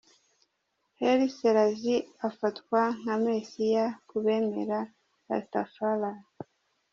Haile Selassie afatwa nka Mesiya ku bemera Rastafari.